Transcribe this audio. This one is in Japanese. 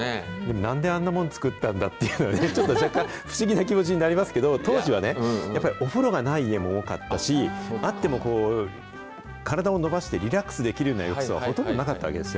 なんであんなもん作ったんだっていうのはね、ちょっと若干不思議な気持ちになりますけど、当時はね、やっぱりお風呂がない家も多かったし、あっても体を伸ばしてリラックスできるような浴槽はほとんどなかったわけですよ。